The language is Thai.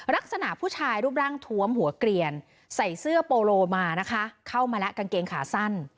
ลักษณะผู้ชายรูปร่างทวมหัวเกลียนใส่เสื้อโปโลมานะคะเข้ามาแล้วกางเกงขาสั้น